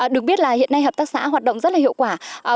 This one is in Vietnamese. được biết là hiện nay hợp tác xã hoạt động rất là hiệu quả